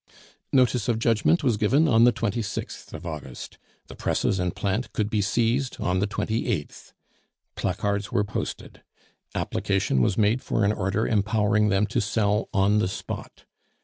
Notice of judgment was given on the 26th of August; the presses and plant could be seized on the 28th. Placards were posted. Application was made for an order empowering them to sell on the spot.